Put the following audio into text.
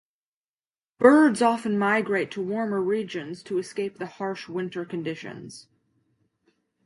Birds often migrate to warmer regions to escape the harsh winter conditions